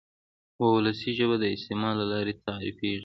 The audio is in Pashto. وولسي ژبه د استعمال له لارې تعریفېږي.